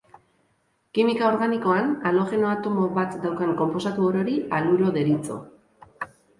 Kimika organikoan, halogeno-atomo bat daukan konposatu orori haluro deritzo.